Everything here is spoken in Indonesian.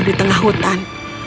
di tengah hutan